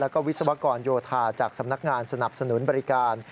แล้วก็วิศวกรโยธาจากสำนักงานสนับสนุนบริการ